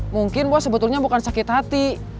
mungkin bos sebetulnya bukan sakit hati